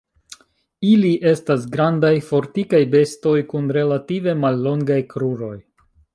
Ili estas grandaj, fortikaj bestoj kun relative mallongaj kruroj.